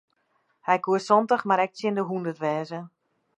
Hy koe santich mar ek tsjin de hûndert wêze.